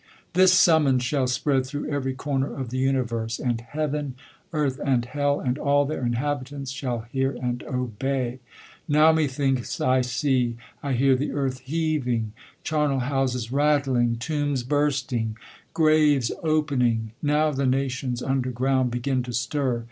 This summons shall spread through every corner of the universe; and Heaven, Earth, and Hell, and al! their inhabitants, shall hear and obev. Now mcthinks I see, I hear the earth heaving, charnel houses rattling, tombs bursting, graves opening. Now the nations' un der ground begm to stir.